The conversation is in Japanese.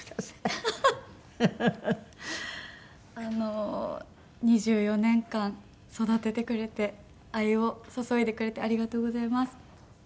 あの２４年間育ててくれて愛を注いでくれてありがとうございます。